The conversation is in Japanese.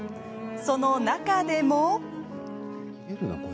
その中でも。